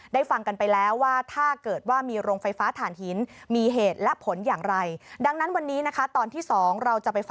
ได้ฟังกันไปแล้วว่าถ้าเกิดว่ามีโรงไฟฟ้าถ่านหินมีเหตุและผลอย่างไร